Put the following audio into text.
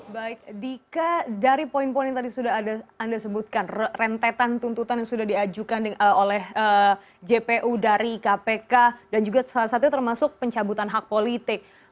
baik dika dari poin poin yang tadi sudah anda sebutkan rentetan tuntutan yang sudah diajukan oleh jpu dari kpk dan juga salah satunya termasuk pencabutan hak politik